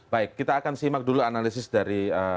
baik kita akan simak dulu analisis dari